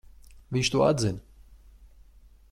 Viņš to atzina.